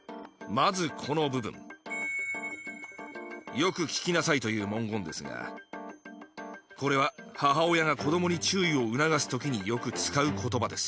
「よく聞きなさい」という文言ですがこれは母親が子供に注意を促す時によく使う言葉です